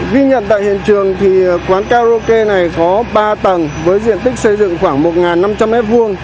ghi nhận tại hiện trường quán karaoke này có ba tầng với diện tích xây dựng khoảng một năm trăm linh m hai